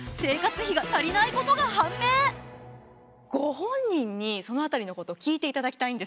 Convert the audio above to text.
ご本人にその辺りのこと聞いていただきたいんです。